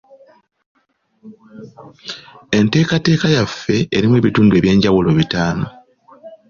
Enteekateeka yaffe erimu ebitundu eby'enjawulo bitaano.